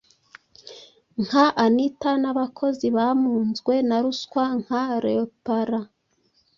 nka anita n'abakozi bamunzwe na ruswa nka leparan,